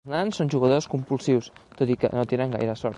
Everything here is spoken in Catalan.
Els nans són jugadors compulsius, tot i que no tenen gaire sort.